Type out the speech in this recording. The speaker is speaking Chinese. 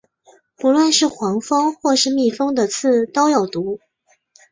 不论是黄蜂或是蜜蜂的刺都有毒。